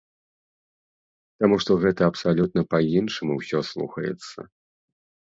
Таму што гэта абсалютна па-іншаму ўсё слухаецца.